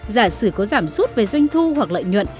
giả sử có giảm sút về doanh thu hoặc lợi nhuận